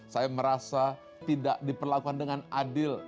saya merasa tidak diperlakukan dengan adil